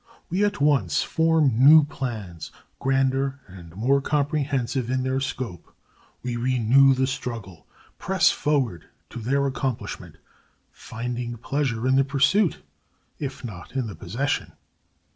We at once form new plans, grander and more comprehensive in their scope; we renew the struggle, press forward to their accomplishment, finding pleasure in the pursuit, if not in the possession.